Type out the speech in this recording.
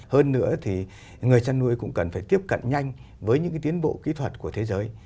hơn nữa thì người chăn nuôi cũng cần phải tiếp cận nhanh với những cái tiến bộ kỹ thuật của thế giới